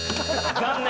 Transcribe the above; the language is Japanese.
残念。